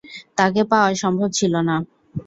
তাকে পাওয়া সম্ভব ছিল না।